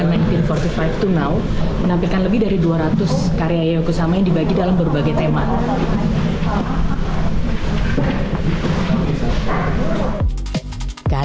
yayoi kusama seribu sembilan ratus empat puluh lima menampilkan lebih dari dua ratus karya yayoi kusama yang dibagi dalam berbagai tema